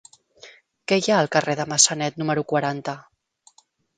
Què hi ha al carrer de Massanet número quaranta?